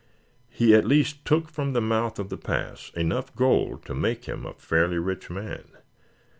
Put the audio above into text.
He at least took from the mouth of the pass enough gold to make him a fairly rich man.